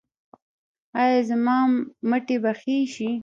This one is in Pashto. ایا زما مټې به ښې شي؟